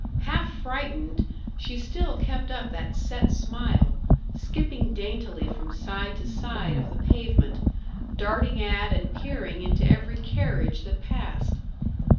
Half frightened, she still kept up that set smile, skipping daintily from side to side of the pavement, darting at and peering into every carriage that passed.